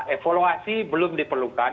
evaluasi belum diperlukan